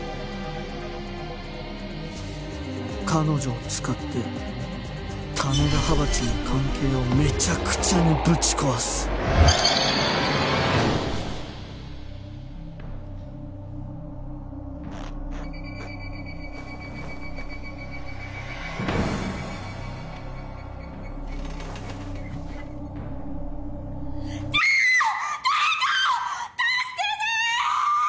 彼女を使って種田派閥の関係をめちゃくちゃにぶち壊すキャーッ！